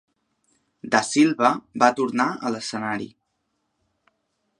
Da Silva va tornar a l'escenari.